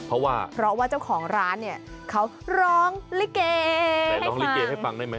เพราะว่าเจ้าของร้านเนี่ยเขาร้องลิเก่ให้ฟัง